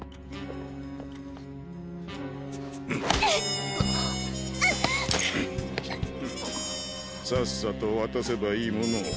フンさっさと渡せばいいものを。